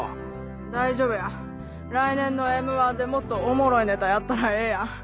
大丈夫や来年の『Ｍ−１』でもっとおもろいネタやったらええやん。